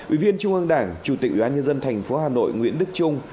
ủy viên trung ương đảng chủ tịch đoàn nhân dân thành phố hà nội nguyễn đức trung